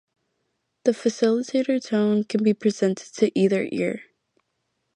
The facilitator tone can be presented to either ear.